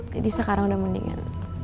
jadi sekarang udah mendingan